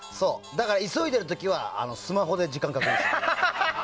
だから急いでる時はスマホで時間を確認してる。